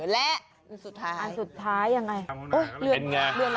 และสุดท้ายยังไง